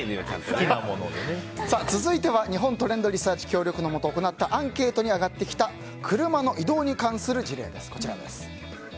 続いては日本トレンドリサーチ協力のもと行ったアンケートに上がってきた車の移動に関する事例です。